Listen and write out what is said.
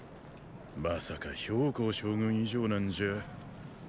まさか公将軍以上なんじゃ。